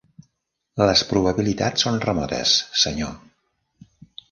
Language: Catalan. "Les probabilitats són remotes, senyor."